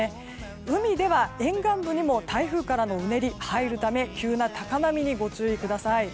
海では沿岸部にも台風からのうねりが入るため急な高波にご注意ください。